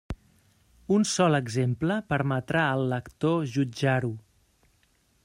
Un sol exemple permetrà al lector jutjar-ho.